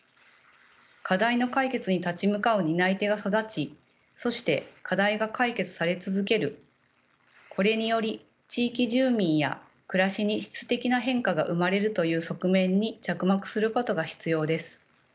課題の解決に立ち向かう担い手が育ちそして課題が解決され続けるこれにより地域住民や暮らしに質的な変化が生まれるという側面に着目することが必要です。